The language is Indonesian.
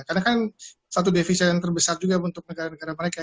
karena kan satu devisa yang terbesar juga untuk negara negara mereka gitu